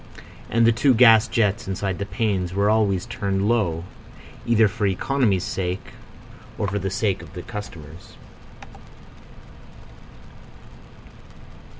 And the two gas jets inside the panes were always turned low, either for economy's sake or for the sake of the customers.